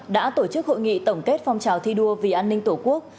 đã tổ chức hội nghị tổng kết phong trào thi đua vì an ninh tổ quốc